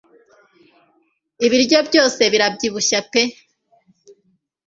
Ibiryo byose bira byi bushya pe